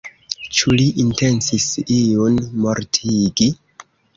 Ĉu li intencis iun mortigi?